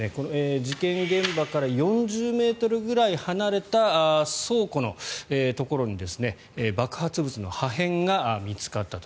事件現場から４０ｍぐらい離れた倉庫のところに爆発物の破片が見つかったと。